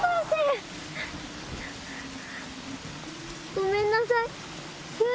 ごめんなさい。